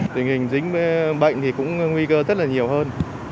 tình hình dính bệnh thì cũng nguy cơ rất là nhiều hơn